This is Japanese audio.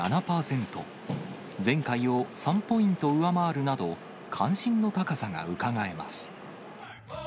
前回を３ポイント上回るなど、関心の高さがうかがえます。